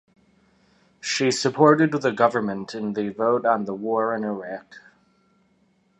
She supported the Government in the vote on the war in Iraq.